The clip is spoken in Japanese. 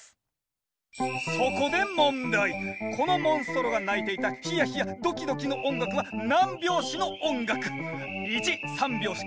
このモンストロが鳴いていたヒヤヒヤドキドキの音楽は何拍子の音楽？